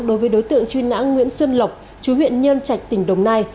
đối với đối tượng chuyên ngã nguyễn xuân lộc chú huyện nhân trạch tỉnh đồng nai